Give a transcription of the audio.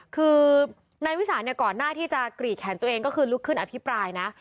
คือนายวิสานเนี่ยก่อนหน้าที่จะกรีดแขนตัวเองก็คือลุกขึ้นอภิปรายนะ